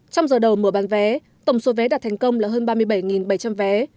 trong giờ đầu mở bán vé tổng số vé đặt thành công là hơn ba mươi bảy bảy trăm linh vé